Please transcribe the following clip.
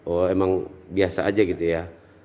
oh emang biasa aja gitu ya